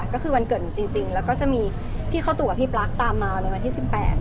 ก็คือวันเกิดหนูจริงแล้วก็จะมีพี่เข้าตู่กับพี่ปลั๊กตามมาเลยวันที่๑๘